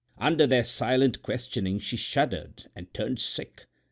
Under their silent questioning she shuddered and turned sick.